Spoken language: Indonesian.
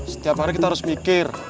setiap hari kita harus mikir